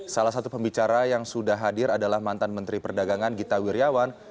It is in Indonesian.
salah satu pembicara yang sudah hadir adalah mantan menteri perdagangan gita wirjawan